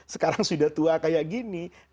sekarang sudah tua kayak gini